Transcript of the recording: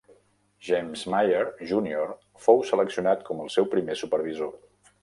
James Myer Junior fou seleccionat com al seu primer supervisor.